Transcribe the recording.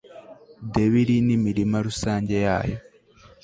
debiri n'imirima rusange yayo